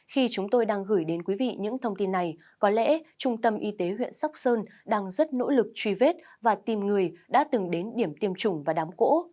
khi chúng tôi đang gửi đến quý vị những thông tin này có lẽ trung tâm y tế huyện sóc sơn đang rất nỗ lực truy vết và tìm người đã từng đến điểm tiêm chủng và đám cỗ